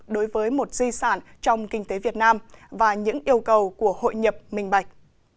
đối với một di sản trong kinh tế việt nam và những yêu cầu của hội nhập minh bạch